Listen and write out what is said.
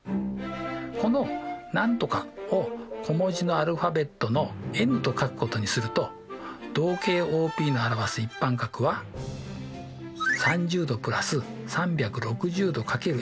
このなんとかを小文字のアルファベットのｎと書くことにすると動径ＯＰの表す一般角は３０°＋３６０°×ｎで表されます。